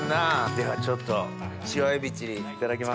ではちょっと塩エビチリ司さんいただきます。